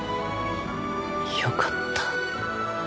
よかった